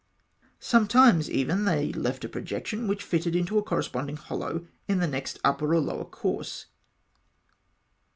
Sometimes even they left a projection which fitted into a corresponding hollow in the next upper or lower course.